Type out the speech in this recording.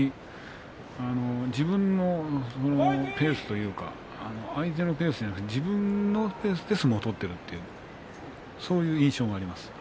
自分のペースというか相手のペースでなく自分のペースで相撲を取っているという、そういう印象があります。